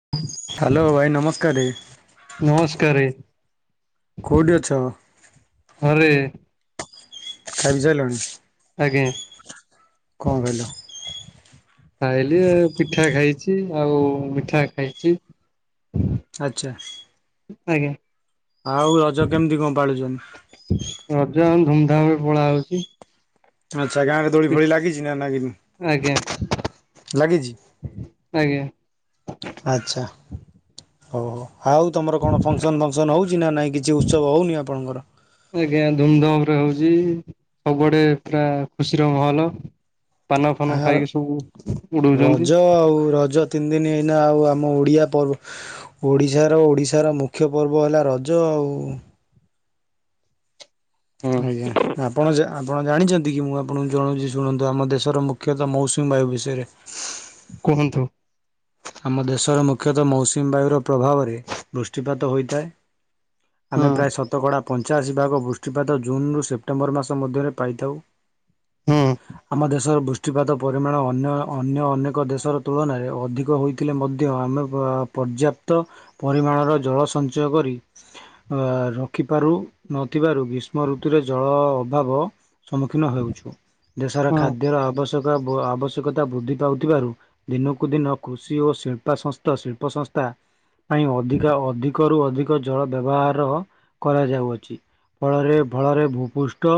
[inaudible] Hello ଭାଇ ନମସ୍କାରେ। ନମସ୍କାରେ। କୋଉଠି ଅଛ? ଘରେ। ଖାଇସାଇଲଣି? ଆଜ୍ଞା। କଣ କହିଲ? ଖାଇଲି ଆଉ ପିଠା ଖାଇଛି ଆଉ ମିଠା ଖାଇଛି। ଆଚ୍ଛା। ଆଜ୍ଞା। ଆଉ ରଜ କେମିତି କଣ ପାଳୁଛନ୍ତି? ରଜା ଆମ ଧୁମଧାମ ରେ ପଳା ହଉଛି। ଆଚ୍ଛା ଗାଁରେ ଦୋଳି ଫଳି ଲାଗିଛି ନା ଆଜ୍ଞା ନାଗିନି ଲାଗିଛି? ଆଜ୍ଞା। ଆଚ୍ଛା। ଓ ହୋ, ଆଉ ତମର କଣ ଫଙ୍କସନ ଫଙ୍କସନ ହଉଛି ନା ନାଇଁ କିଛି ଉତ୍ସବ ହଉନି ଆପଣଙ୍କର? ଆଜ୍ଞା ଧୁମଧାମ ରେ ହଉଛି ସବୁଆଡେ ପୁରା ଖୁସିର ମହଲ। ପାନ ଆ ଫାନ ଖାଇକି ସବୁ ରଜ ଉଡଉଛନ୍ତି। ଆଉ ରଜ ତିନି ଦିନ ଏଇନା ଆଉ ଆମ ଓଡ଼ିଆ ପର୍ବ ଓଡ଼ିଶାର ଓଡ଼ିଶାର ମୁଖ୍ୟ ପର୍ବ ହେଲା ରଜ ରଜ ଆଉ। ହଁ ଆଜ୍ଞା, ଆପ ଆପଣ ଆପଣ ଜାଣିଛନ୍ତି କି? ମୁଁ ଆପଣଙ୍କୁ ଜଣାଉଛି ଶୁଣନ୍ତୁ ଆମ ଦେଶର ମୁଖ୍ୟତଃ ମୌସୁମୀ ବାୟୁ ବିଷୟରେ। କୁହନ୍ତୁ? ଆମ ଦେଶର ମୁଖ୍ୟତଃ ମୌସୁମୀ ବାୟୁର ପ୍ରଭାବରେ ବୃଷ୍ଟିପାତ ହୋଇଥାଏ। ଆମେ ହଁ ପ୍ରାୟ ଶତକଡ଼ା ପଞ୍ଚାଅଶୀ ଭାଗ ବୃଷ୍ଟିପାତ ଜୁନରୁ ସେପ୍ଟେମ୍ବର ମାସ ମଧ୍ୟରେ ପାଇଥାଉ। ହଁ ଆମ ଦେଶର ବୃଷ୍ଟ ବୃଷ୍ଟି ପାତ ପରିମାଣ ଅନ୍ୟ ଅନେକ ଦେଶର ତୁଳନାରେ ଅଧିକ ହୋଇଥିଲେ ମଧ୍ୟ ଆମେ ପ ପର୍ଯ୍ୟାପ୍ତ ପରିମାଣର ଜଳ ସଞ୍ଚୟ କରି ଅ ରଖିପାରୁ ନଥିବାରୁ ଗ୍ରୀଷ୍ମ ଋତୁରେ ଜଳ ଅ ଅଭାବ ସମ୍ମୁଖୀନ ହେଉଛୁ। ଦେଶର ହଁ ଖାଦ୍ୟର ଆବଶ ଷ୍ୟକ ବ ଆବଶ୍ୟକତା ବୃଦ୍ଧି ପାଉଥିବାରୁ ଦିନକୁ ଦିନ କୃଷି ଓ ଶିଳ୍ପା ସଂସ୍ଥା ଶିଳ୍ପ ସଂସ୍ଥା ପାଇଁ ଅଧିକା ଅଧିକରୁ ଅଧିକ ଜଳ ବ୍ୟବହାର କରାଯାଉଅଛି। ଫଳରେ ଫଳରେ ଭୂପୃଷ୍ଟ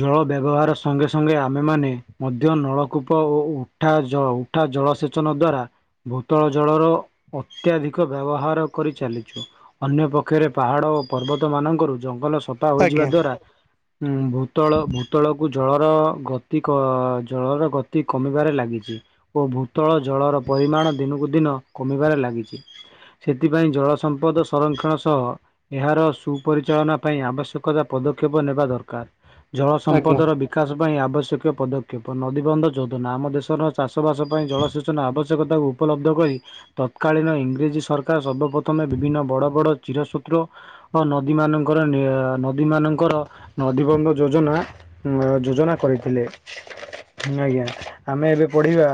ଜଳ ବ୍ୟବହାର ସଙ୍ଗେ ସଙ୍ଗେ ଆମେମାନେ ମଧ୍ୟ ନଳକୂପ ଓ ଉ ଉଠା ଜ ଉଠା ଜଳସେଚନ ଦ୍ଵାରା ଭୂତଳ ଜଳର ଅତ୍ୟଧିକ ବ୍ୟବହାର କରି ଚାଲିଛୁ। ଅନ୍ୟପକ୍ଷରେ ପାହାଡ ଓ ପର୍ବତ ମାନଙ୍କର ଜଙ୍ଗଲ ସ ପା ହୋଇଯିବା ଆଜ୍ଞା ଦ୍ଵାରା ଉଁ ଭୂତଳ ଭୂତଳକୁ ଜଳର ଗତି କ ଜଳର ଗତି କମିବାରେ ଲାଗିଛି ଓ ଭୁ ଉତ୍ତଳ ଜଳର ପରିମାଣ ଦିନକୁ ଦିନ କମିବାରେ ଲାଗିଛି। ସେଥିପାଇଁ ଜଳସପଦ ସଂରକ୍ଷଣ ସହ ଏହାର ସୁପରିଚାଳନା ପାଇଁ ଆବଶ୍ୟକତା ପଦକ୍ଷେପ ନେବା ଦରକାର। ଜଳ ଆଜ୍ଞା ସମ୍ପଦର ବିକାଶ ପାଇଁ ଆବଶ୍ୟକ ପଦକ୍ଷେପ ନଦୀବନ୍ଧ ଯୋଜନା ଆମ ଦେଶର ଚାଷବାସ ପାଇଁ ଜଳ ସୂଚନା ଆବଶ୍ୟକତାକୁ ଉପଲବ୍ଧ କରି ତତ୍କାଳୀନ ଇଂରେଜୀ ସରକାର ସର୍ବପ୍ରଥମେ ବିଭିନ୍ନ ବଡ ବଡ ଚିର ସୂତ୍ର ହ ନଦୀ ମାନଙ୍କର ନି ନଦୀ ମାନଙ୍କର ନଦୀବନ୍ଧ ଯୋଜନା ଉଁ ଯୋଜନା କରିଥିଲେ। ଆଜ୍ଞା ଆମେ ଏବେ ପଢିବା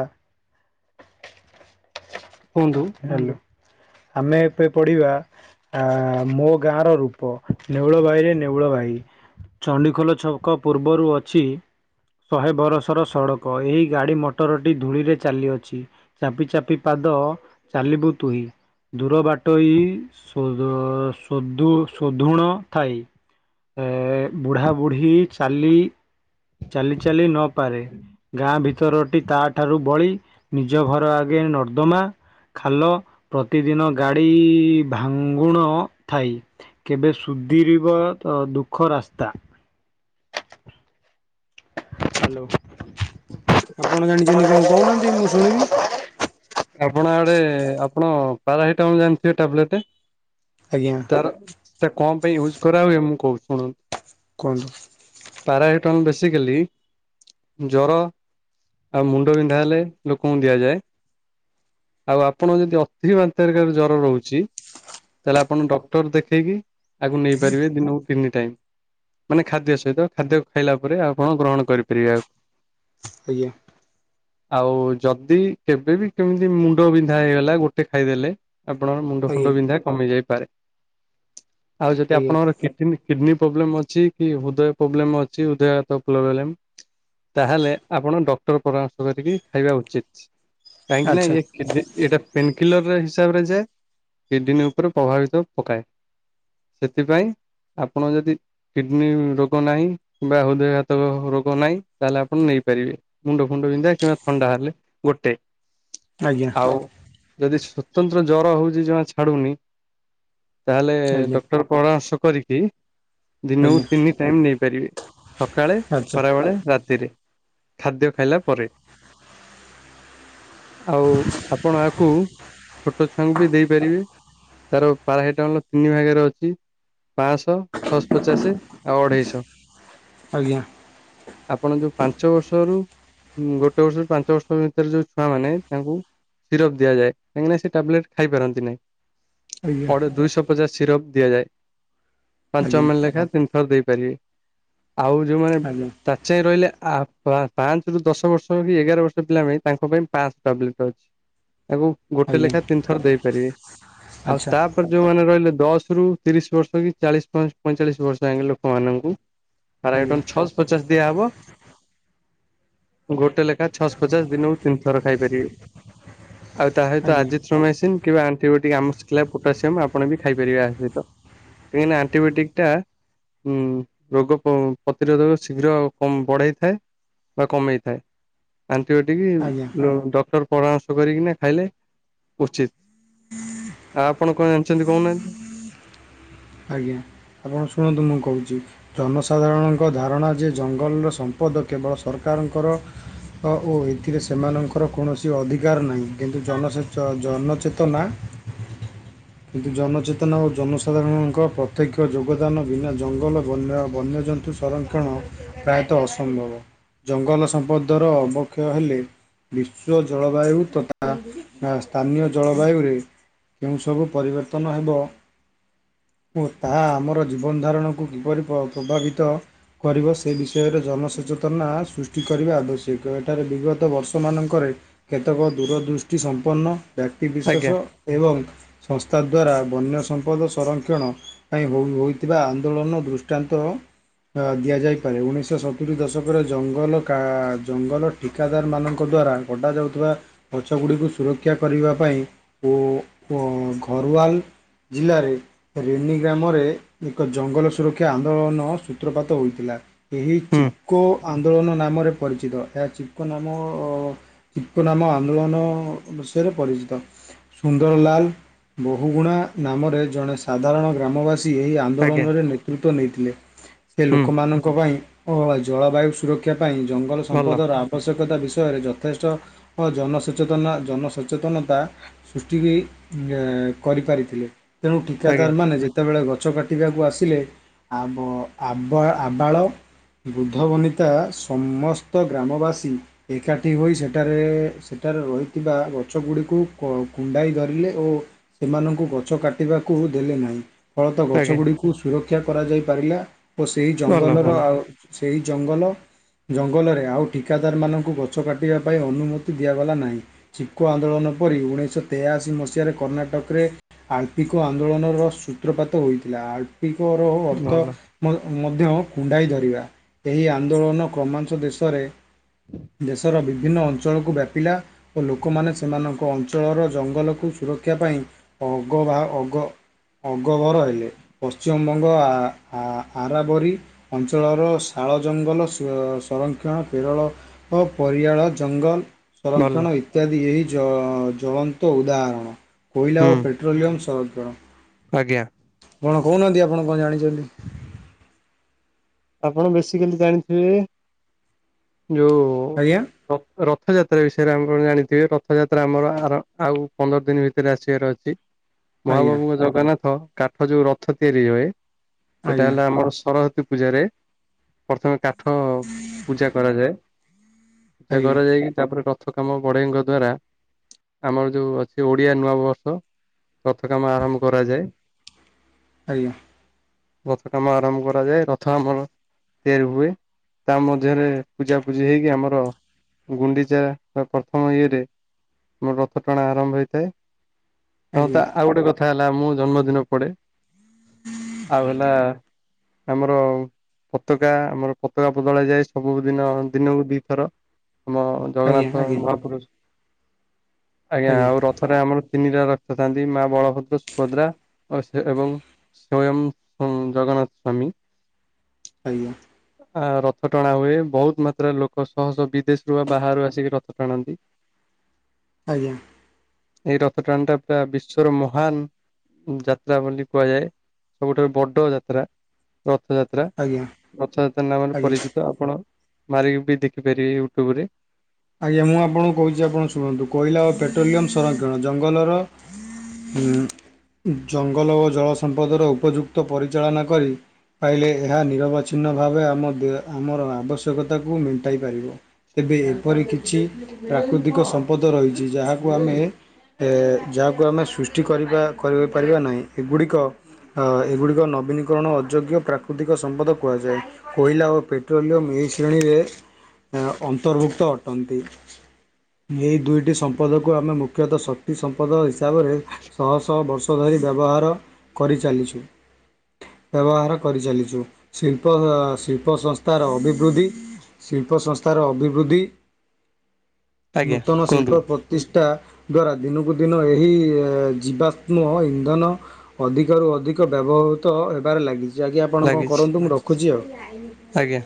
କୁହନ୍ତୁ? ହେଲୋ। ଆମେ ଏପେ ପଢ଼ିବା ଆ ମୋ ଗାଁ ର ରୂପ ନେଉଳ ଭାଇରେ ନେଉଳ ଭାଇ। ଚଣ୍ଡିଖୋଲ ଛକ ପୂର୍ବରୁ ଅଛି। ଶହେ ବରଷର ସଡ଼କ ଏହି ଗାଡ଼ି ମଟରଟି ଧୂଳିରେ ଚାଲିଅଛି। ଚାପି ଚାପି ପାଦ ଚାଲିବୁ ତୁହି। ଦୂର ବାଟୋଇ ସୁଦ୍ ସୋଧୁ ଶୋଧୁଣ ଥାଇ। ଏ ବୁଢ଼ାବୁଢ଼ୀ ଚାଲି ଚାଲି ଚାଲି ନପାରେ। ଗାଁ ଭି ତରଟି ତା ଠାରୁ ବଳି ନିଜ ଘର ଆଗେ ନର୍ଦ୍ଦମା ଖାଲ, ପ୍ରତିଦିନ ଗାଡି ଭାଙ୍ଗୁଣ ଥାଇ। କେବେ ସୁଧିରିବ ତ ଦୁଃଖ ରାସ୍ତା। ହ୍ୟାଲୋ। ଆପଣ ଜାଣିଚନ୍ତି କଣ କୋହୁନାହାନ୍ତି ମୁଁ ଶୁଣିବି? ଆପଣ ଆଡେ ଆପଣ ପାରାସିଟାମଲ ଜାଣିଥିବେ ଟାବ୍ଲେଟ? ଆଜ୍ଞା। ତାର ସେଟା କଣ ପାଇଁ ୟୁଜ୍ କରା ହଏ ମୁଁ କୋହୁଚି ଶୁଣନ୍ତୁ। କୁହନ୍ତୁ? ପାରାସିଟମ୍ ବେସିକାଲି ଜର ଆଉ ମୁଣ୍ଡ ବିନ୍ଧା ହେଲେ ଲୋକଙ୍କୁ ଦିଆଯାଏ। ଆଉ ଆପଣ ଯଦି ଅତି ମାତ୍ରାରେ କାହାକୁ ଜର ରୋହୁଚି ତାହେଲେ ଆପଣ ଡକ୍ଟର ଦେଖେଇକି ଆକୁ ନେଇ ପାରିବେ ଦିନକୁ ତିନି ଟାଇମ୍। ମାନେ ଖାଦ୍ୟ ସହିତ ଖାଦ୍ୟ ଖାଇଲା ପରେ ଆପଣ ଗ୍ରହଣ କରିପାରିବେ ଆକୁ। ଆଜ୍ଞା। ଆଉ ଯଦି କେବେ ବି କେମିତି ମୁଣ୍ଡ ବିନ୍ଧା ହେଇଗଲା ଗୋଟେ ଖାଇଦେଲେ। ଆପଣଙ୍କ ମୁଣ୍ଡ ଆଜ୍ଞା ଫୁଣ୍ଡ ବିନ୍ଧା କମି ଯାଇପାରେ। ଆଉ ଯଦି ଆଜ୍ଞା ଆପଣଙ୍କର କେ ମିତି କିଡ଼ନୀ ପ୍ରୋବ୍ଲେମ୍ ଅଛି କି ହୃଦୟ ପ୍ରୋବ୍ଲେମ୍ ଅଛି ହୃଦୟ ହାତ ପ୍ରୋବେଲେମ୍ ତାହେଲେ ଆପଣ ଡକ୍ଟର ପରାମର୍ଶ କରିକି ଖାଇବା ଉଚିତ୍। କାହିଁକି ନା ଆଚ୍ଛା ଇଏ କିନଡି ଏଇଟା ପେନକିଲରରେ ହିସାବରେ ଯାଏ କିଡ଼ନୀ ଉପରେ ପ୍ରଭାବିତ ପକାଏ। ସେଥିପାଇଁ ଆପଣ ଯଦି କିଡ଼ନୀ ରୋଗ ନାହିଁ ବା ହୃଦୟଘାତକ ରୋଗ ନାହିଁ ତାହେଲେ ଆପଣ ନେଇପାରିବେ। ମୁଣ୍ଡ ଫୁଣ୍ଡ ବିନ୍ଧା କିମ୍ବା ଥଣ୍ଡା ହେଲେ ଗୋଟେ। ଆଜ୍ଞା ଆଉ ଯଦି ସ୍ଵତନ୍ତ୍ର ଜର ହୋଉଚି ଜମା ଛାଡୁନି ତାହେଲେ ଆଜ୍ଞା ଡକ୍ଟର ପରାମର୍ଶ କରିକି ଦିନକୁ ଆଜ୍ଞା ତିନି ଟାଇମ୍ ନେଇପାରିବେ ସକାଳେ ଆଚ୍ଛା ଖରାବେଳେ ରାତିରେ। ଖାଦ୍ୟ ଖାଇଲା ପରେ। ଆଉ ଆପଣ ଆକୁ ଛୋଟ ଛୁଆଙ୍କୁ ବି ଦେଇପାରିବେ। ତାର ପାରାସିଟାମଲ୍ ର ତିନି ଭାଗରେ ଅଛି। ପଂଶ, ଛଅଶପଚାଶେ ଆଉ ଅଢେଇଶ। ଆଜ୍ଞା। ଆପଣ ଯୋଉ ପାଞ୍ଚ ବର୍ଷରୁ ଗୋଟେ ବର୍ଷରୁ ପାଞ୍ଚ ବର୍ଷ ଭିତରେ ଯୋଉ ଛୁଆମାନେ ତାଙ୍କୁ ସିରପ ଦିଆଯାଏ କାହିଁକି ନା ସେ ଟାବଲେଟ ଖାଇ ପାରନ୍ତି ନାହିଁ। ଆଜ୍ଞା ଅଢେ ଦୁଇଶହ ପଚାଶ ସିରପ ଦିଆଯାଏ ପାଞ୍ଚ ଆଜ୍ଞା ଏମେଲ୍ ଲେଖା ତିନିଥର ଦେଇପାରିବେ। ଆଉ ଯୋଉମାନେ ଆଜ୍ଞା ଆଜ୍ଞା ତା ଚାହିଁ ରହିଲେ ଆ ପା ପାଞ୍ଚରୁ ଦଶ ବର୍ଷ କି ଏଗାର ବର୍ଷ ପିଲା ପାଇଁ ତାଙ୍କ ପାଇଁ ପଂଶ ଟାବ୍ଲେଟ୍ ଅଛି ତାକୁ ଗୋଟେ ଲେଖା ତିନିଥର ଦେଇପାରିବେ। ଆଉ ଆଚ୍ଛା ତା ଯୋଉମାନେ ରହିଲେ ଦଶ ରୁ ତିରିଶ ବର୍ଷ କି ଚାଳିଶ ପାଇଁସ୍ ପଇଁଚାଳିଶ ବର୍ଷ ଲୋକମାନାନଙ୍କୁ ପାରାହିଟନ୍ ଆଜ୍ଞା ଛଅଶହ ପଚାଶ ଦିଆ ହବ ଗୋଟେ ଲେଖା ଛଅସପଚାଶ ଦିନକୁ ତିନି ଥର ଖାଇପାରିବେ। ଆଉ ତା ସହିତ ଆଜ୍ଞା ଆଜିଥ୍ରୁ ମେସିନ କିମ୍ବା ଆଣ୍ଟିବେଟିକ ଆମସ୍କ୍ଲା ପୋଟାସିୟମ୍ ଆପଣ ବି ଖାଇପାରିବେ ଆ ସହିତ। କାହିଁକି ନା ଆଣ୍ଟିବେଟିକ ଟା ଉଁ ରୋଗ ପ ପ୍ରତିରୋଧକ ଶୀଘ୍ର କ ବଢ଼ାଇଥାଏ ବା କମେଇଥାଏ। ଆଣ୍ଟିବେଟିକ ଆଜ୍ଞା ଡକ୍ଟର ପରାମର୍ଶ କରିକି ଖାଇଲେ ଉଚିତ। ଆ ଆପଣ କଣ ଜଣିଚନ୍ତି କୋହୁନାହାନ୍ତି? ଆଜ୍ଞା ଆପଣ ଶୁଣନ୍ତୁ ମୁଁ କୋହୁଚି। ଜନସାଧାରଣଙ୍କ ଧାରଣା ଯେ ଜଙ୍ଗଲର ସମ୍ପଦ କେବଳ ସରକାରଙ୍କର। ତ ଓ ଏଥିରେ ସେମାନଙ୍କର କୌଣସି ଅଧିକାର ନାହିଁ କିନ୍ତୁ ଜନସେଚ ଜନଚେତନା କିନ୍ତୁ ଜନଚେତନା ଓ ଜନସାଧାରଣ ଙ୍କ ପ୍ରତ୍ୟକ୍ଷ ଯୋଗଦାନ ବିନା ଜଙ୍ଗଲ ବନ୍ୟା ବନ୍ୟଜନ୍ତୁ ସଂରକ୍ଷଣ ପ୍ରାୟେତଃ ଅସମ୍ଭବ। ଜଙ୍ଗଲ ସମ୍ପଦର ଅବକ୍ଷୟ ହେଲେ ବିଶ୍ୱ ଜଳବାୟୁ ତଥା ନା ସ୍ଥାନୀୟ ଜଳବାୟୁରେ କେଉଁ ସବୁ ପରିବର୍ତ୍ତନ ହେବ ଓ ତାହା ଆମର ଜୀବନ ଧାରଣକୁ କିପରି ପ୍ର-ପ୍ରଭାବିତ କରିବ ସେ ବିଷୟରେ ଜନସଚେତନା ସୃଷ୍ଟି କରିବା ଆବଶ୍ୟକ ଏଠାରେ ବିଗତ ବର୍ଷମାନଙ୍କରେ କେତେକ ଦୂରଦୃଷ୍ଟି ସମ୍ପନ୍ନ ଆଜ୍ଞା ବ୍ୟକ୍ତିବିଶେଷ ଏବଂ ସଂସ୍ଥା ଦ୍ୱାରା ବନ୍ୟ ସମ୍ପଦ ସଂରକ୍ଷଣ ପାଇଁ ହୋଇ ହୋଇଥିବା ଆନ୍ଦୋଳନ ଦୃଷ୍ଟାନ୍ତ ଦିଆଯାଇପାରେ ଉଣେଇଶହ ସତୁରି ଦଶକରେ ଜଙ୍ଗଲ କା ଜଙ୍ଗଲ ଠିକାଦାରମାନାନଙ୍କ ଦ୍ୱାରା କଟାଯାଉଥିବା ଗଛଗୁଡ଼ିକୁ ସୁରକ୍ଷା କରିବା ପାଇଁ ଓ ଓ ଘରୱାଲ ଜିଲ୍ଲାରେ ରେନି ଗ୍ରାମରେ ଏକ ଜଙ୍ଗଲ ସୁରକ୍ଷା ଆନ୍ଦୋଳନ ସୂତ୍ରପାତ ହୋଇଥିଲା। ଏହି ହୁଁ ଚିକ୍କୋ ଆନ୍ଦୋଳନ ନାମରେ ପରିଚିତ ଏହା ଚିକ୍କୋ ନାମ ଅ ଚିପୋ ନାମ ଆନ୍ଦୋଳନ ବିଷୟରେ ପରିଚିତ। ସୁନ୍ଦରଲାଲ ବୋହୁଗୁଣା ନାମରେ ଜଣେ ସାଧାରଣ ଗ୍ରାମବାସୀ ଏହି ଆଜ୍ଞା ଆନ୍ଦୋଳନରେ ନେତୃତ୍ୱ ନେଇଥିଲେ ସେ ହୁଁ ଲୋକମାନଙ୍କ ପାଇଁ ହ ଜଳବାୟୁ ସୁରକ୍ଷା ପାଇଁ ଜଙ୍ଗଲ ଭଲ ସମ୍ପଦର ଆ ଆବଶ୍ୟକତା ବିଷୟରେ ଯଥେଷ୍ଟ ଜନସଚେନା ଜନସଚେତନତା ସୃଷ୍ଟି ଏ କରିପାରିଥିଲେ ତେଣୁ ଆଜ୍ଞା ଠିକାଦାର ମାନେ ଯେ ଯେତେବେଳେ ଗଛ କାଟିବାକୁ ଆସିଲେ ଆବ-ଆବ-ଆବାଳ ବୁଦ୍ଧ ବନିତା ସମସ୍ତ ଗ୍ରାମବାସୀ ଏକାଠି ହୋଇ ସେଠାରେ ସେଠାରେ ରହିଥିବା ଗଛ ଗୁଡିକୁ କ କୁଣ୍ଡାଇ ଧରିଲେ ଓ ସେମାନଙ୍କୁ ଗଛ କାଟିବା କୁ ଦେଲେ ନାହିଁ ଫଳତ ଆଜ୍ଞା ଗଛଗୁଡ଼ିକୁ ସୁରକ୍ଷା କରାଯାଇ ପାରିଲା। ଓ ସେହି ଭଲ ଜଙ୍ଗଲର ଭଲ ଆଉ ସେଇ ଜଙ୍ଗଲ ଜଙ୍ଗଲରେ ଆଉ ଠିକାଦାରମାନଙ୍କୁ ଗଛ କାଟିବା ପାଇଁ ଅନୁମତି ଦିଆଗଲା ନାହିଁ। ଚିପକୋ ଆନ୍ଦୋଳନ ପରି ଉଣେଇଶହ ତେୟାଅଶି ମସିହାରେ କର୍ଣ୍ଣାଟକରେ ଆଳ୍ପିକ କୁ ଆନ୍ଦୋଳନର ସୂତ୍ରପାତ ହୋଇଥିଲା ଆପ୍ଲିକ ର ଅର୍ଥ ଭଲ ମ-ମଧ୍ୟ କୁଣ୍ଡାଇ ଧରିବା ଏହି ଆନ୍ଦୋଳନ କ୍ରମାଂଶ ଦେଶରେ ଦେଶର ବିଭିନ୍ନ ଅଞ୍ଚଳକୁ ବ୍ୟାପିଲା ଓ ଲୋକମାନେ ସେମାନଙ୍କ ଅଞ୍ଚଳର ଜଙ୍ଗଲକୁ ସୁରକ୍ଷା ପାଇଁ ଅଗବାହ ଅଗ ଅଗବର ହେଲେ ପଶ୍ଚିମବଙ୍ଗ ଆ -ଆରାବରି ଅଞ୍ଚଳର ଶାଳ ଜଙ୍ଗଲ ସ-ସଂରକ୍ଷଣ କେରଳ ଓ ପରିଆଳ ଜଙ୍ଗଲ ଭଲ ସଂରକ୍ଷଣ ଇତ୍ୟାଦି ଏହି ଜ ଜଳନ୍ତ ଉଦାହରଣ କୋଇଲା ହୁଁ ଓ ପେଟ୍ରୋଲିୟମ [unintelligible] ଆଜ୍ଞା। କଣ କହୁନାହାନ୍ତି ଆପଣ କଣ ଜାଣିଛନ୍ତି। ଆପଣ ବେସିକାଲି ଜାଣିଥିବେ ଯୋଉ ଆଜ୍ଞା କ ରଥଯାତ୍ରା ବିଷୟରେ ଆପଣ ଜାଣିଥିବେ ରଥଯାତ୍ରା ଆମର ଆର ଆଉ ପନ୍ଦର ଦିନ ଭିତରେ ଆସିବାର ଅଛି। ଆଜ୍ଞା ମହାପ୍ରଭୁ ଙ୍କ ଜଗନ୍ନାଥ କାଠ ଯୋଉ ରଥ ତିଆରି ହୁଏ। ସେଟା ଆଜ୍ଞା ହେଲା ଆମର ସରସ୍ଵତୀ ପୂଜାରେ ପ୍ରଥମେ କାଠ ପୂଜା କରାଯାଏ ପୂଜା ଆଜ୍ଞା କରାଯାଇକି ତାପରେ ର ରଥ କାମ ବଢେଇଙ୍କ ଦ୍ଵାରା ଆମର ଯୋଉ ଅଛି ଓଡିଆ ନୂଆ ବର୍ଷ ରଥ କାମ ଆରମ୍ଭ କରାଯାଏ। ଆଜ୍ଞା। ରଥ କାମ ଆରମ୍ଭ କରାଯାଏ ରଥ ଆମର ତିଆରି ହୁଏ ତା ମଧ୍ୟରେ ପୂଜାପୂଜି ହେଇକି ଆମର ଗୁଣ୍ଡିଚା ବା ପ୍ରଥମ ଇଏରେ ମୋର ରଥ ଟଣା ଆରମ୍ଭ ହୋଇଥାଏ। କଁ ଆଜ୍ଞା ତା ଆଉ ଗୋଟେ କ ଏଠା ହେଲା ମୁଁ ଜନ୍ମଦିନ ପଡ଼େ ଆଉ ହେଲା ଆମର ପତାକା ଆମର ପତାକା ବଦଳାଯାଏ ସବୁଦିନ ଦିନକୁ ଦିଇଥର ଆମ ଆଜ୍ଞା ଜଗନ୍ନାଥ ଆଜ୍ଞା ମହାପୁରୁଷ ଆଜ୍ଞା ଆଉ ରଥରେ ଆମର ତିନିଟା ରଥ ଥାନ୍ତି ମା ବଳଭଦ୍ର ସୁଭଦ୍ରା ଆଉ ସେ ଏବଂ ସ୍ଵୟଂ ଉଁ ଜଗନ୍ନାଥସ୍ଵାମୀ। ଆଜ୍ଞା। ଆ ରଥ ଟଣା ହୁଏ ବହୁତ ମାତ୍ରାରେ ଲୋକ ଶହ ଶହ ବିଦେଶରୁୁ ବା ବାହାରୁ ଆସିକି ରଥ ଟାଣନ୍ତି। ଆଜ୍ଞା। ଏହି ରଥ ଟାଣ ଟା ପୁରା ବିଶ୍ୱର ମହାନ ଯାତ୍ରା ବୋଲି କୁହାଯାଏ ସବୁଠାରୁ ବଡ ଯାତ୍ରା ରଥ ଯାତ୍ରା। ଆଜ୍ଞା। ରଥଯାତ୍ରା ନାମରେ ଆଜ୍ଞା ପରିଚିତ ଆପଣ ମାରିକି ବି ଦେଖିପାରିବେ ୟୁଟ୍ୟୁବ ରେ। ଆଜ୍ଞା ମୁଁ ଆପଣଙ୍କୁ କହୁଛି ଆପଣ ଶୁଣନ୍ତୁ କୋଇଲା ଓ ପେଟ୍ରୋଲିୟମ ସଂରକ୍ଷଣ ଜଙ୍ଗଲର ଜଙ୍ଗଲ ଓ ଜଳସମ୍ପଦର ଉପଯୁକ୍ତ ପରିଚାଳନା କରି ପାଇଲେ ଏହା ନିରବଚ୍ଛିନ୍ନ ଭାବେ ଆମ ଦେ ଆମର ଆବଶ୍ୟକତାକୁ ମେଣ୍ଟାଇ ପାରିବ। ତେବେ ଏପରି କିଛି ପ୍ରାକୃତିକ ସମ୍ପଦ ରହିଛି ଯାହାକୁ ଆମେ ଯାହାକୁ ଆମେ ସୃଷ୍ଟି କରିବା କରିପାରିବା ନାହିଁ ଏଗୁଡ଼ିକ ଅ ଏଗୁଡ଼ିକ ନବୀନୀକରଣ ଅଯୋଗ୍ୟ ପ୍ରାକୃତିକ ସମ୍ପଦ କୁହାଯାଏ। କୋଇଲା ଓ ପେଟ୍ରୋଲିୟମ୍ ଏହି ଏନ୍ ଶ୍ରେଣୀରେ ଅନ୍ତର୍ଭୁକ୍ତ ଅଟନ୍ତି। ଏହି ଦୁଇଟି ସମ୍ପଦକୁ ଆମେ ମୁଖ୍ୟତଃ ଶକ୍ତି ସମ୍ପଦ ହିସାବରେ ଶହ ଶହ ବର୍ଷ ଧରି ବ୍ୟବହାର କରିଚାଲିଛୁ। ବ୍ୟବହାର କରିଚାଲିଛୁ ଶିଳ୍ପ ଶିଳ୍ପ ସଂସ୍ଥାର ଅଭିବୃଦ୍ଧି ଶିଳ୍ପ ସଂସ୍ଥାର ଅଭିବୃଦ୍ଧି ଆଜ୍ଞା ନୂତନ କୁହନ୍ତୁ ଶିଳ୍ପ ପ ପ୍ରତିଷ୍ଠା ଦ୍ଵାରା ଦିନକୁ ଦିନ ଏହି ଜୀବାତ୍ମ ଇନ୍ଧନ ଅଧିକରୁ ଅଧିକ ବ୍ୟବହୃତ ହେବାରେ ଲାଗିଛି ଆଜ୍ଞା ଆପଣ କଣ ଲାଗିଛି କରନ୍ତୁ ମୁଁ ରଖୁଛି ଆଉ। ଆଜ୍ଞା।